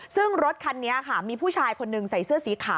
ซึ่งรถคันนี้ค่ะมีผู้ชายคนหนึ่งใส่เสื้อสีขาว